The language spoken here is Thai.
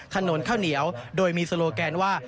ถนนข้าวเหนียวโดยมีโลแกนว่า